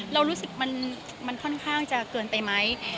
เรารู้สึกมันค่อนข้างจะเกินไปไหม